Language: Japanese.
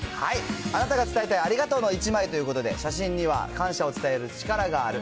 あなたが伝えたいありがとうの１枚ということで、写真には感謝を伝える力がある。